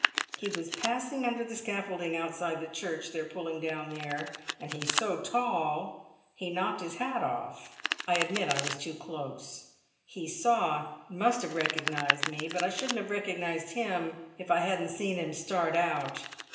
He was passing under the scaffolding outside the church they're pulling down there, and he's so tall he knocked his hat off. I admit I was too close. He saw, and must have recognised me; but I shouldn't have recognised him if I hadn't seen him start out.